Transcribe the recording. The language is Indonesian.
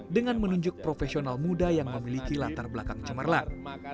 dengan menunjuk profesional muda yang memiliki latar belakang cemerlang